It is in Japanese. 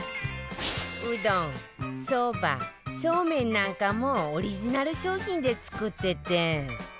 うどんそばそうめんなんかもオリジナル商品で作ってて